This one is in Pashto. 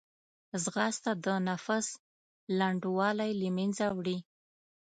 ځغاسته د نفس لنډوالی له منځه وړي